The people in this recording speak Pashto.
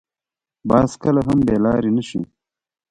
باز کله هم بې لارې نه شي